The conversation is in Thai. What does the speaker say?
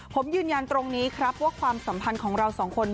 ผมยืนยันตรงนี้ครับว่าความสัมพันธ์ของเราสองคน